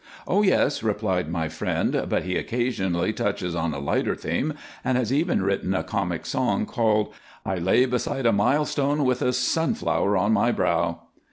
"Oh, yes," replied my friend, "but he occasionally touches on a lighter theme, and has even written a comic song, called, 'I lay beside a milestone with a sunflower on my brow.